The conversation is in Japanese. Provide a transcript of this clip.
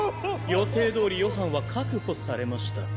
予定どおりヨハンは確保されました。